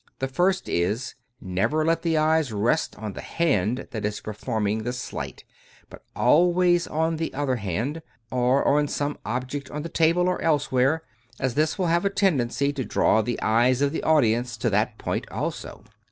The first is : Never let the eyes rest on the hand that is performing the " sleight/' but always on the other hand, or on some object on the table or elsewhere, as this will have a tendency to draw the eyes of the audience to that point also.